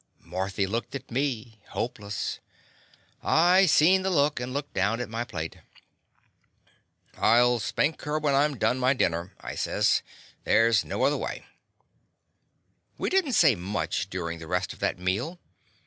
Marthy looked at me, hopeless. I seen the look and looked down at my plate. "I '11 spank her when I 'm done my dinner," I says. "There 's no other way." We did n't say much durin' the rest of that meal.